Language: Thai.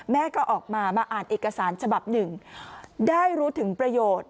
แม่ก็ออกมามาอ่านเอกสารฉบับหนึ่งได้รู้ถึงประโยชน์